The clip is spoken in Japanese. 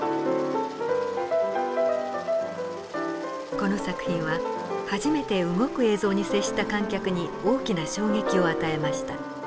この作品は初めて動く映像に接した観客に大きな衝撃を与えました。